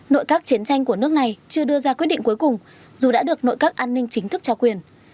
nội các chiến tranh của nước này chưa đưa ra quyết định cuối cùng dù đã được nội các an ninh chính thức trao quyền